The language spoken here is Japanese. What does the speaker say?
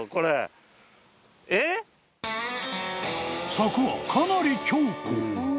［柵はかなり強固］